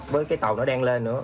với cái tàu nó đang lên nữa